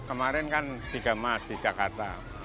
kemarin kan tiga emas di jakarta